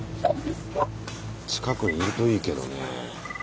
近くにいるといいけどね。